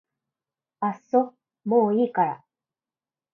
あっそもういいから